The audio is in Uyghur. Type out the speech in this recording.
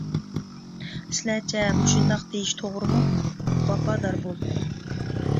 سىلەرچە مۇشۇنداق دېيىش توغرىمۇ؟ ۋاپادار بول.